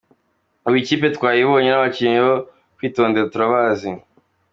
Ubu ikipe twayibonye n’abakinnyi bo kwitondera turabazi.